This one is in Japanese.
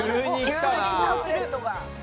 急にタブレットが。